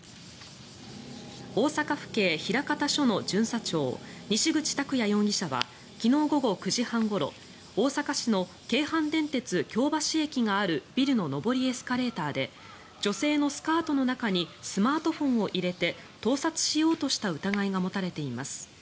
大阪府警枚方署の巡査長西口卓弥容疑者は昨日午後９時半ごろ大阪市の京阪電鉄京橋駅があるビルの上りエスカレーターで女性のスカートの中にスマートフォンを入れて盗撮しようとした疑いが持たれています。